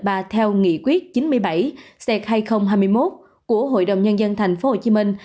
theo nghị quyết chín mươi bảy c hai nghìn hai mươi một của hội đồng nhân dân thành phố hồ chí minh